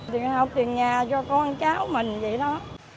tiền học tiền nhà cho con cháu mình vậy nó